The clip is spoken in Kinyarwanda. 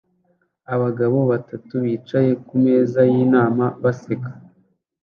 Abagabo batatu bicaye kumeza yinama baseka